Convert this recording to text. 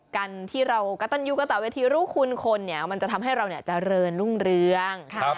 การที่เรากระตันยูกระต่อเวทีรู้คุณคนเนี่ยมันจะทำให้เราเจริญรุ่งเรือง